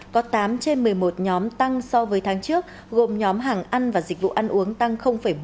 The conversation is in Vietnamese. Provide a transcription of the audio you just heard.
có tám trên một mươi một nhóm tăng so với tháng trước gồm nhóm hàng ăn và dịch vụ ăn uống tăng một mươi